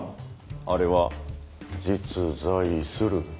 あれは実在するぞ！